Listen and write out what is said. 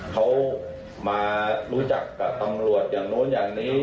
เขามารู้จักกับตำรวจอย่างโน้นอย่างนี้